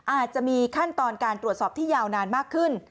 อาจจะมีขั้นตอนการตรวจสอบที่ยาวนานมากขึ้น